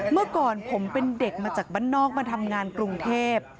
เมื่อก่อนผมเป็นเด็กมาจากบ้านนอกมาทำงานกรุงเทพ